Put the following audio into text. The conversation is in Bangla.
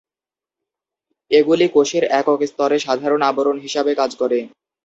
এগুলি কোষের একক স্তরে সাধারণ আবরণ হিসাবে কাজ করে।